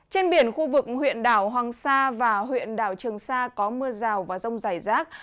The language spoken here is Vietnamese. trên biển khu vực huyện đảo hoàng sa và huyện đảo trường sa có mưa rào và rông dài rác